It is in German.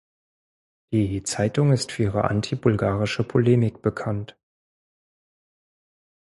Die Zeitung ist für ihre anti-bulgarische Polemik bekannt.